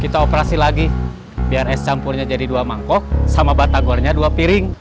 kita operasi lagi biar es campurnya jadi dua mangkok sama batagornya dua piring